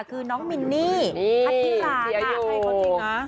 คือน้องมินนี่พัทธิราให้เขาจริงนะ